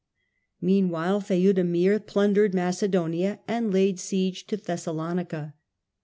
Meanwhile Theudemir plundered Macedonia and laid siege to Thessalonica.